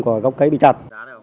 của gốc cây bị chặt